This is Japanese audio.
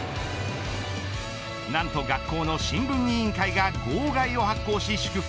なんと、学校の新聞委員会が号外を発行し祝福。